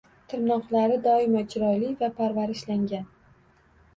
Tirnoqlari doimo chiroyli va parvarishlangan.